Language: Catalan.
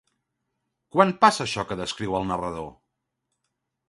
Quan passa això que descriu el narrador?